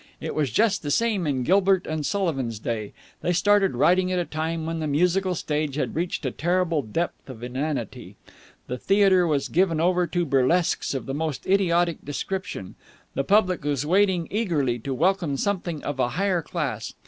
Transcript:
It was just the same in Gilbert and Sullivan's day. They started writing at a time when the musical stage had reached a terrible depth of inanity. The theatre was given over to burlesques of the most idiotic description. The public was waiting eagerly to welcome something of a higher class.